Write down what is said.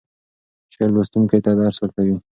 شعر لوستونکی ته درس ورکوي.